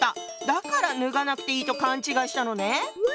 だからぬがなくていいと勘違いしたのね。